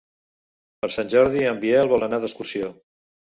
Per Sant Jordi en Biel vol anar d'excursió.